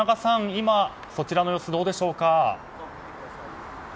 今、そちらの様子どうでしょうか。